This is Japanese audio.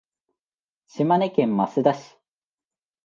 島根県益田市